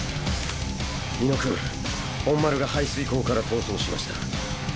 猪野君本丸が排水口から逃走しました。